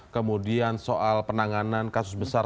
kemudian soal penanganan kasus besar